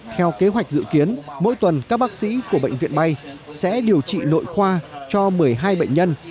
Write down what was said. theo kế hoạch dự kiến mỗi tuần các bác sĩ của bệnh viện bay sẽ điều trị nội khoa cho một mươi hai bệnh nhân